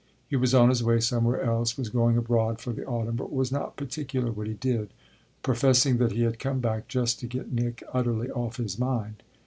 He was on his way somewhere else was going abroad for the autumn but was not particular what he did, professing that he had come back just to get Nick utterly off his mind.